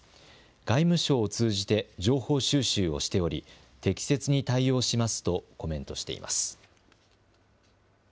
外務省を通じて情報収集をしており、適切に対応しますとコメントしています。